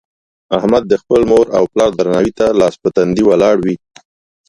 احمد د خپل مور او پلار درناوي ته تل لاس په تندي ولاړ وي.